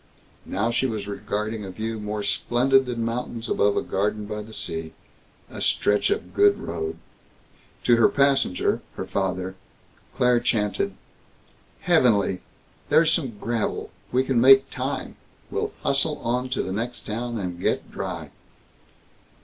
Now she was regarding a view more splendid than mountains above a garden by the sea a stretch of good road. To her passenger, her father, Claire chanted: "Heavenly! There's some gravel. We can make time. We'll hustle on to the next town and get dry."